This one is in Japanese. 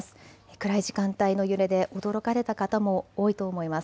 暗い時間帯の揺れで驚かれた方も多いと思います。